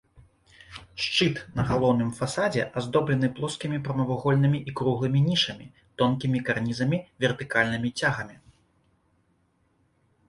Шчыт на галоўным фасадзе аздоблены плоскімі прамавугольнымі і круглымі нішамі, тонкімі карнізамі, вертыкальнымі цягамі.